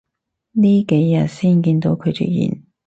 呢幾日先見到佢出現